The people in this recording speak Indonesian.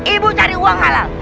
ibu cari uang halal